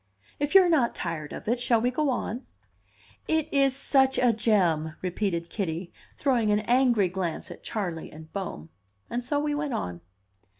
If you are not tired of it, shall we go on?" "It is such a gem!" repeated Kitty, throwing an angry glance at Charley and Bohm. And so we went on.